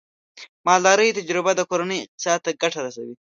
د مالدارۍ تجربه د کورنۍ اقتصاد ته ګټه رسوي.